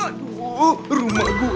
aduh rumah gue